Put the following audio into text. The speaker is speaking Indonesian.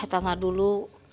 ya sama dulu